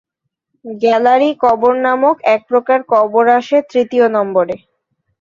Gallery কবর নামক একপ্রকার কবর আসে তৃতীয় নম্বরে।